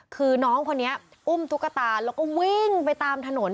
คือน้องคนนี้อุ้มตุ๊กตาแล้วก็วิ่งไปตามถนน